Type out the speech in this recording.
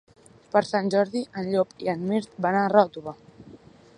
Per Sant Jordi en Llop i en Mirt van a Ròtova.